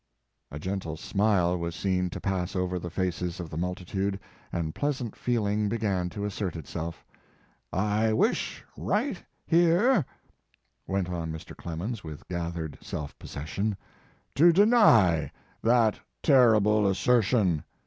A gentle smile was seen to pass over the faces of the multitude, and pleasant feeling began to assert itself. "I wish right here," went on Mr. Clemens, with gathered self possession, <% to deny that terrible assertion."